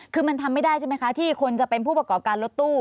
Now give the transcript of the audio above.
คือมันทำไม่ได้ใช่ไหมคะที่คนจะเป็นผู้ประกอบการรถตู้